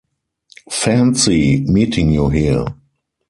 Fancy meeting you here!